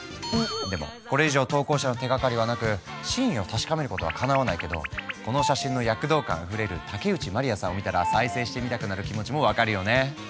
でもこれ以上投稿者の手がかりはなく真意を確かめることはかなわないけどこの写真の躍動感あふれる竹内まりやさんを見たら再生してみたくなる気持ちも分かるよね。